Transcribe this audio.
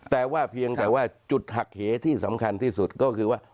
แต่ว่าเพียงแต่ว่าจุดหักเหที่สำคัญที่สุดก็คือว่า